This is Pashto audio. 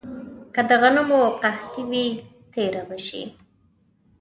که د غنمو قحطي وي، تېره به شي.